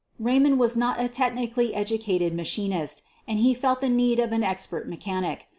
Raymond was not a technically educated ma chinist, and he felt the need of an expert mechanic.